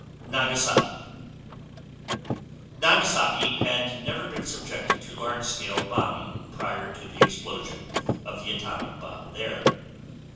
Nagasaki Nagasaki had never been subjected to large scale bombing prior to the explosion of the atomic bomb there.